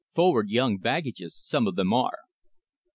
Forward young baggages some of them are."